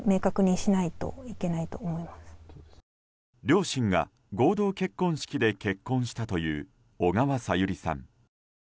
両親が合同結婚式で結婚したという小川さゆりさん。